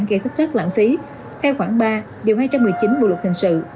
gây thất thoát lãng phí theo khoảng ba điều hai trăm một mươi chín bộ luật hình sự